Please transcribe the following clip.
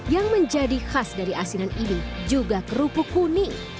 yang menjadi khas dari asinan ini juga kerupuk kuning